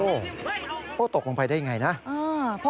โอ้โฮตกลงไปได้อย่างไรนะ